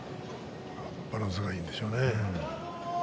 バランスがいいんでしょうね。